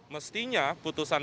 mestinya putusan berikutnya